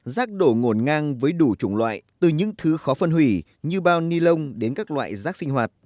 rác đổ ngổn ngang với đủ chủng loại từ những thứ khó phân hủy như bao ni lông đến các loại rác sinh hoạt